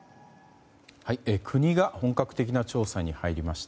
国が本格的な調査に入りました。